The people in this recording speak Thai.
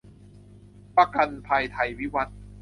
ประกันภัยไทยวิวัฒน์